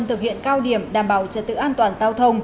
thực hiện cao điểm đảm bảo trật tự an toàn giao thông